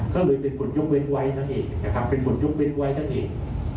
ก็เลยเป็นบทยกเว้นไว้นั่นเองนะครับเป็นบทยกเว้นไว้นั่นเอง